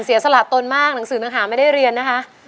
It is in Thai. เสียสละตนมากหนังสือหนังหาไม่ได้เรียนนะคะ